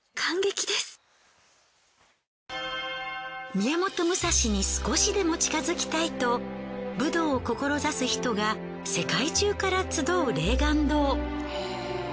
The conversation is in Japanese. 宮本武蔵に少しでも近づきたいと武道を志す人が世界中から集う霊巌洞。